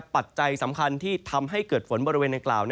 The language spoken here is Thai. ปัจจัยสำคัญที่ทำให้เกิดฝนบริเวณในกล่าว